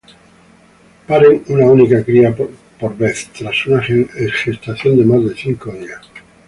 Paren una única cría por vez, tras una gestación de más de cien días.